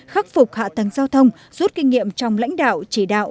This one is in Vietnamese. khắc phục hạ tầng giao thông rút kinh nghiệm trong lãnh đạo chỉ đạo